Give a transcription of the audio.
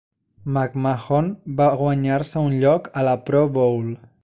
McMahon va guanyar-se un lloc a la Pro Bowl.